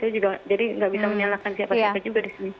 jadi nggak bisa menyalahkan siapa siapa juga di sini